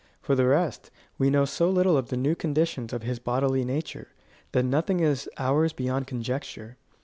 For the rest, we know so little of the new conditions of his bodily nature, that nothing is ours beyond conjecture.